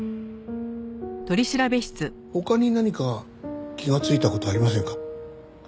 他に何か気がついた事ありませんか？